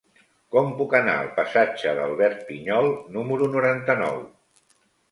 Com puc anar al passatge d'Albert Pinyol número noranta-nou?